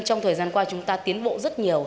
trong thời gian qua chúng ta tiến bộ rất nhiều